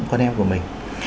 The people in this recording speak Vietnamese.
con em của mình